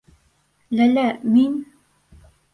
Ләлә, мин...